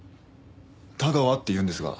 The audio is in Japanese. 田川っていうんですが。